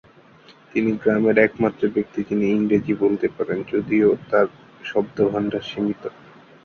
তিনি গ্রামের একমাত্র ব্যক্তি যিনি ইংরেজি বলতে পারেন, যদিও তার শব্দভাণ্ডার সীমিত।